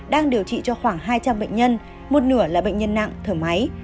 đang điều trị cho khoảng hai trăm linh bệnh nhân một nửa là bệnh nhân nặng thở máy